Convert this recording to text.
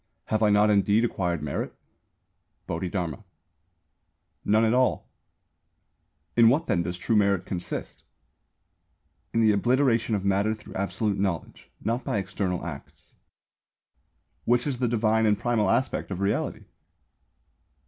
Have I not indeed acquired merit? Bodhidharma: None at all. Emperor: In what then does true merit consist? Bodhidharma: In the obliteration of Matter through Absolute Knowledge, not by external acts. Emperor: Which is the Divine and Primal Aspect of Reality?